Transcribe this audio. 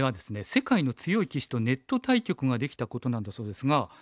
世界の強い棋士とネット対局ができたことなんだそうですが。